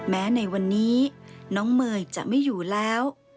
ในวันนี้น้องเมย์จะไม่อยู่แล้ว